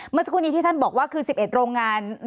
เมื่อสักครู่นี้ที่ท่านบอกว่าคือ๑๑โรงงาน